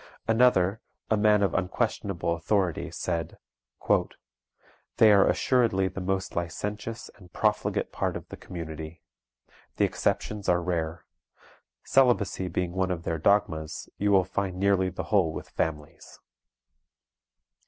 " Another, a man of unquestionable authority, said, "They are assuredly the most licentious and profligate part of the community. The exceptions are rare. Celibacy being one of their dogmas, you will find nearly the whole with families."